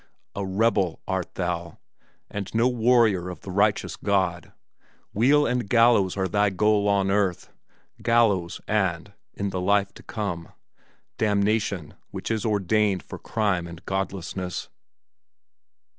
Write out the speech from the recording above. A rebel art thou, and no warrior of the righteous God; wheel and gallows are thy goal on earth gallows and, in the life to come, damnation which is ordained for crime and godlessness.